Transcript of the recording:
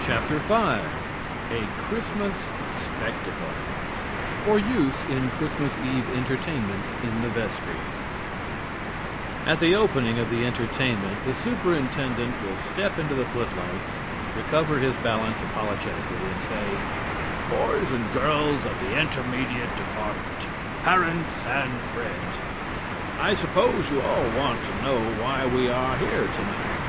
V A CHRISTMAS SPECTACLE For Use in Christmas Eve Entertainments in the Vestry At the opening of the entertainment the Superintendent will step into the footlights, recover his balance apologetically, and say: "Boys and girls of the Intermediate Department, parents and friends: I suppose you all know why we are here tonight.